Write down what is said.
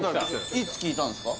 いつ聞いたんすか？